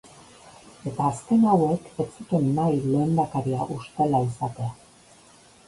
Eta azken hauek ez zuten nahi lehendakaria ustela izatea.